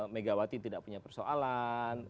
megawati tidak punya persoalan